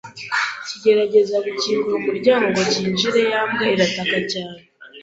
kigerageza gukingura umuryango ngo cyinjire ya mbwa irataka cyane